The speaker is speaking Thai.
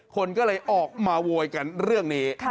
คนก็เลยออกมาโวยกันเรื่องนี้